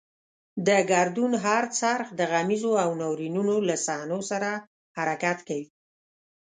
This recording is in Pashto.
د ګردون هر څرخ د غمیزو او ناورینونو له صحنو سره حرکت کوي.